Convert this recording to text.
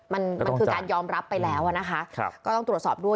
มันคือการยอมรับไปแล้วนะคะก็ต้องตรวจสอบด้วย